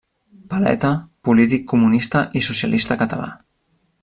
Paleta, polític comunista i socialista català.